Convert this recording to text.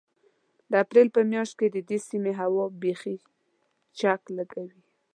د اپرېل په مياشت کې د دې سيمې هوا بيخي چک لګوي.